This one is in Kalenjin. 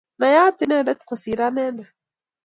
Nayat inendet kosir anendet